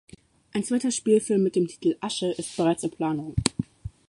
Ein zweiter Spielfilm mit dem Titel "Asche" ist bereits in Planung.